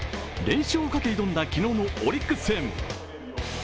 連勝をかけ挑んだ昨日のオリックス戦。